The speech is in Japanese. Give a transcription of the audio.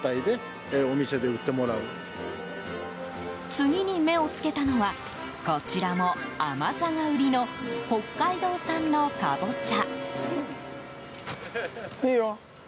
次に目を付けたのはこちらも甘さが売りの北海道産のカボチャ。